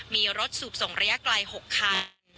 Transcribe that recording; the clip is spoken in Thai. มีรถสูบส่งระยะไกล๖คัน